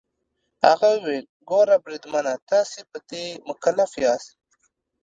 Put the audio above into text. هغه وویل: ګوره بریدمنه، تاسي په دې مکلف یاست.